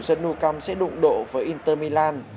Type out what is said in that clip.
sân nucam sẽ đụng độ với inter milan